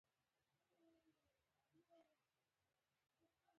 حال دا چې په حقيقت کې ځمکه د هغه نه وي.